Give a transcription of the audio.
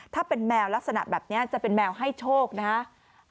ถ้าเป็นแมวลักษณะแบบนี้จะเป็นแมวให้โชคนะฮะ